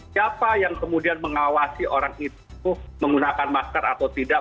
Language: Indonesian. siapa yang kemudian mengawasi orang itu menggunakan masker atau tidak